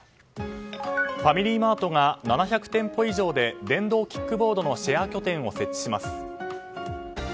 ファミリーマートが７００店舗以上で電動キックボードのシェア拠点を設置します。